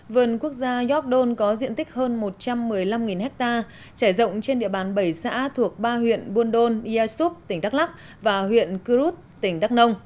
vườn quốc gia gióc đôn có diện tích hơn một trăm một mươi năm ha trải rộng trên địa bàn bảy xã thuộc ba huyện buôn đôn ia súp tỉnh đắk lắc và huyện cư rút tỉnh đắk nông